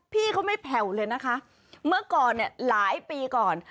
พี่เขาไม่แผ่วเลยนะคะเมื่อก่อนเนี่ยหลายปีก่อน